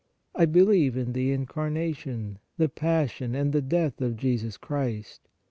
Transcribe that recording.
I believe in the incarnation, the passion and the death of Jesus Christ.